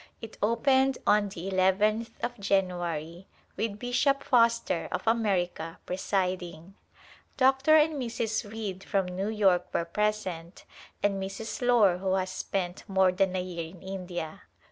It opened on the nth of January with Bishop Foster of America presiding. Dr. and Mrs. Reid from New York were present and Mrs. Lore who has spent more than a year in India.